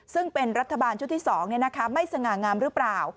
ซึ่งเป็นรัฐบาลชุดที่๒ไม่สง่างามหรือเปล่า